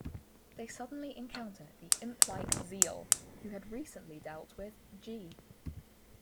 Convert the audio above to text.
They suddenly encounter the imp-like Zeal, who had recently dealt with "G".